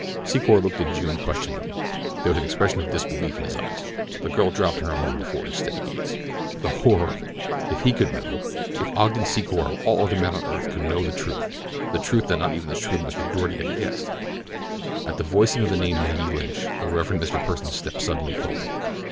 Secor looked at June questioningly. There was an expression of disbelief in his eyes. The girl dropped her own before his steady gaze. The horror of it! If he could know—if Ogden Secor of all other men on earth could but know the truth—the truth that not even the shrewd Mr. Doarty had guessed. At the voicing of the name Maggie Lynch, the Rev. Mr. Pursen stepped suddenly forward.